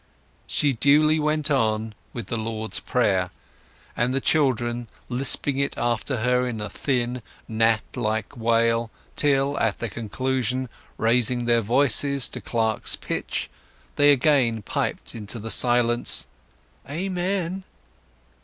She duly went on with the Lord's Prayer, the children lisping it after her in a thin gnat like wail, till, at the conclusion, raising their voices to clerk's pitch, they again piped into silence, "Amen!"